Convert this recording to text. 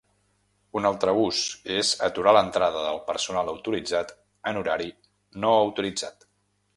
Un altre ús és aturar l'entrada del personal autoritzat en horari no autoritzat.